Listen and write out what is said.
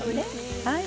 はい。